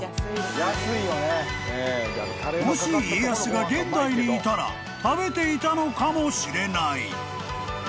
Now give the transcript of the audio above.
［もし家康が現代にいたら食べていたのかもしれない］